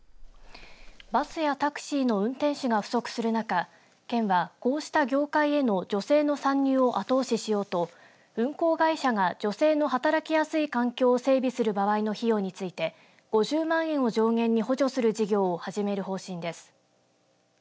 バスやタクシーの運転手が不足する中県はこうした業界への女性の参入を後押ししようと運行会社が女性の働きやすい環境を整備する場合の費用について５０万円を上限に補助する事業を始める方針です。